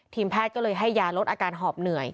แพทย์ก็เลยให้ยาลดอาการหอบเหนื่อย